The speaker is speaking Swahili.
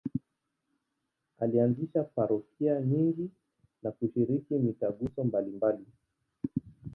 Alianzisha parokia nyingi na kushiriki mitaguso mbalimbali.